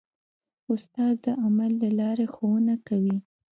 استاد د عمل له لارې ښوونه کوي.